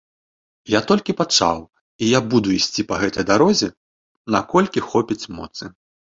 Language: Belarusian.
Я толькі пачаў, і я буду ісці па гэтай дарозе, наколькі хопіць моцы.